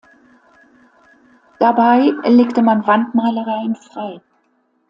Dabei legte man Wandmalereien frei.